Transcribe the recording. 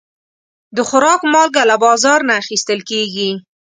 د خوراک مالګه له بازار نه اخیستل کېږي.